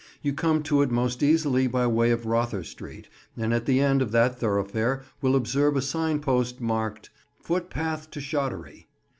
You come to it most easily by way of Rother Street, and at the end of that thoroughfare will observe a signpost marked "Footpath to Shottery."